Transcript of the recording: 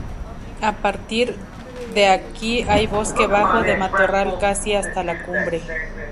A partir de aquí hay bosque bajo de matorral casi hasta la cumbre.